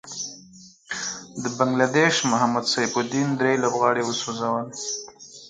د بنګله دېش محمد سيف الدين دری لوبغاړی وسوځل.